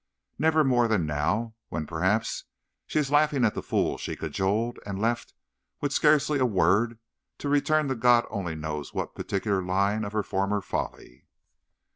Never more than now, when, perhaps, she is laughing at the fool she cajoled and left, with scarcely a word, to return to God only knows what particular line of her former folly."